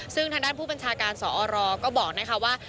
ซึ่งทางด้านผู้บัญชาการสอรก็บอกนะคะว่า